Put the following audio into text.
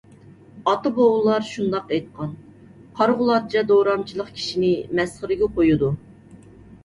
ئاتا - بوۋىلار شۇنداق ئېيتقان: قارىغۇلارچە دورامچىلىق كىشىنى مەسخىرىگە قويىدۇ.